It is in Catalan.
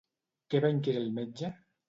Què va inquirir al metge?